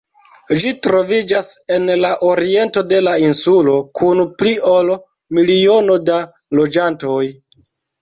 Ĝi troviĝas en la oriento de la insulo, kun pli ol miliono da loĝantoj.